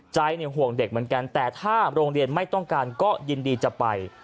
ห่วงเด็กเหมือนกันแต่ถ้าโรงเรียนไม่ต้องการก็ยินดีจะไป